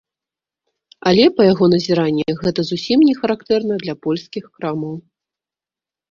Але, па яго назіраннях, гэта зусім не характэрна для польскіх крамаў.